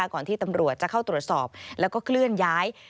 ก่อนที่ตำรวจจะเข้าตรวจสอบแล้วก็เคลื่อนย้าย